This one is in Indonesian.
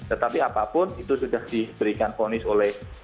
tetapi apapun itu sudah diberikan ponis oleh